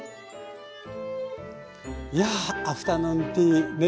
いやアフタヌーンティーね